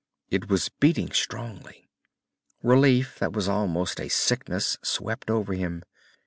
It was beating strongly. Relief that was almost a sickness swept over him.